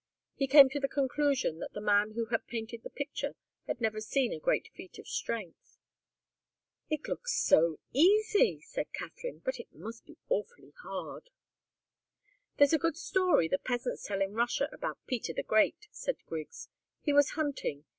He came to the conclusion that the man who had painted the picture had never seen a great feat of strength. "It looks so easy," said Katharine. "But it must be awfully hard." "There's a good story the peasants tell in Russia about Peter the Great," said Griggs. "He was hunting.